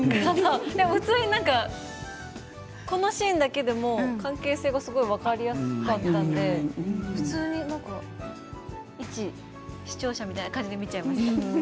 普通になんかこのシーンだけでも関係性がすごく分かりやすかったんで普通になんか一視聴者みたいな感じで見ちゃいました。